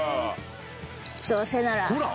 どうせなら。